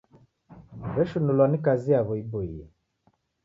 W'eshinulwa ni kazi yaw'o iboie.